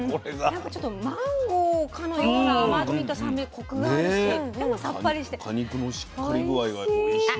なんかちょっとマンゴーかのような甘みと酸味とコクがあるしでもさっぱりしておいしい。